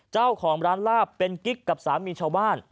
เจ้าของร้านลาบเป็นกิ๊กกับสามีชาวบ้าน